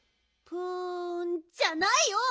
プンじゃないよ！